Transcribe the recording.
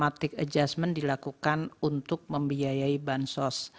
amatic adjustment dilakukan untuk membiayai bansos